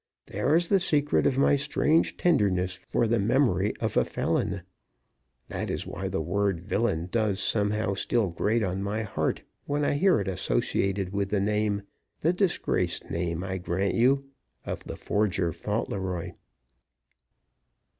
There is the secret of my strange tenderness for the memory of a felon; that is why the word villain does somehow still grate on my heart when I hear it associated with the name the disgraced name, I grant you of the forger Fauntleroy.